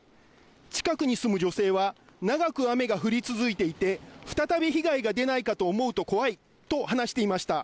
近くに住む女性は長く雨が降り続いていて、再び被害が出ないかと思うと怖いと話していました。